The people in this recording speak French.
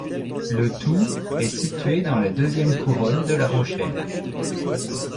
Le Thou est située dans la deuxième couronne de La Rochelle.